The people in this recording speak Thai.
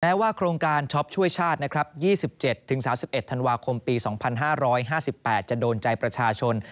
ว่าโครงการช็อปช่วยชาตินะครับ๒๗๓๑ธันวาคมปี๒๕๕๘จะโดนใจประชาชน